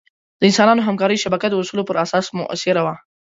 د انسانانو همکارۍ شبکه د اصولو پر اساس مؤثره وه.